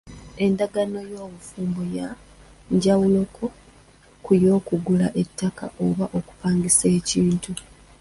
Endagaano y’obufumbo ya njawuloko ku y’okugula ettaka oba okupangisa ekintu.,